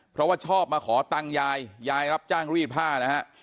เพราะว่าชอบมาขอตังค์ยายยายรับจ้างรีดผ้านะฮะ